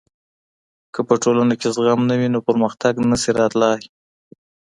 که په ټولنه کي زغم نه وي نو پرمختګ نسي راتلای.